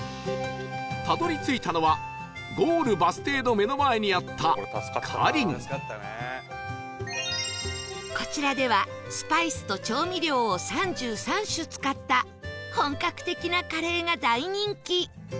たどり着いたのはゴールバス停の目の前にあったこちらではスパイスと調味料を３３種使った本格的なカレーが大人気